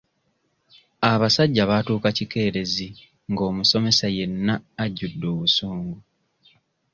Abasajja baatuuka kikeerezi nga omusomesa yenna ajjudde obusungu.